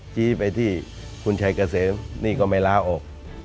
ชี้ไปที่คุณชัยเกษมนี่ก็ไม่ลาออก